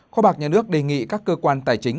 kho bạc nhà nước đề nghị các cơ quan tài chính